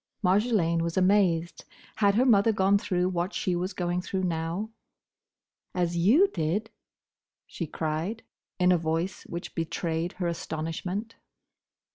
Marjolaine was amazed. Had her mother gone through what she was going through now? "As you did—?" she cried, in a voice which betrayed her astonishment.